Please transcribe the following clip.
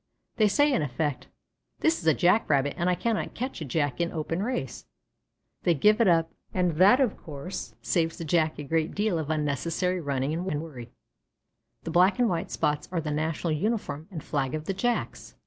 They say in effect, "This is a Jack rabbit, and I cannot catch a Jack in open race." They give it up, and that, of course, saves the Jack a great deal of unnecessary running and worry. The black and white spots are the national uniform and flag of the Jacks.